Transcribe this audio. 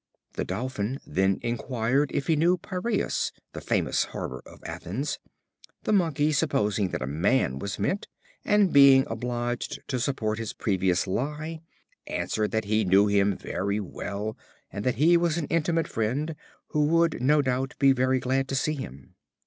The Dolphin then inquired if he knew the Piræus (the famous harbor of Athens). The Monkey, supposing that a man was meant, and being obliged to support his previous lie, answered that he knew him very well, and that he was an intimate friend, who would, no doubt, be very glad to see him.